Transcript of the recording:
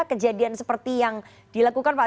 kejadian seperti yang dilakukan pak